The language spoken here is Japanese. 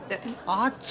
あっちゃ。